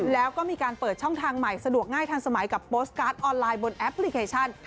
แล้วก็มีการเปิดช่องทางใหม่สะดวกง่ายทันสมัยกับโพสต์การ์ดออนไลน์บนแอปพลิเคชัน